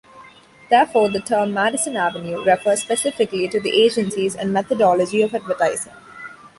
Therefore, the term "Madison Avenue" refers specifically to the agencies, and methodology of advertising.